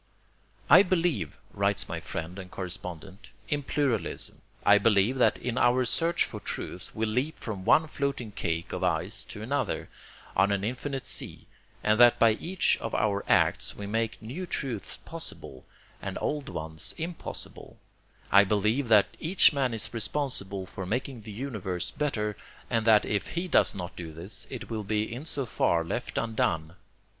"I believe," writes my friend and correspondent, "in pluralism; I believe that in our search for truth we leap from one floating cake of ice to another, on an infinite sea, and that by each of our acts we make new truths possible and old ones impossible; I believe that each man is responsible for making the universe better, and that if he does not do this it will be in so far left undone.